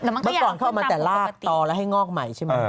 เมื่อก่อนเข้ามาแต่ลากต่อแล้วให้งอกใหม่ใช่ไหม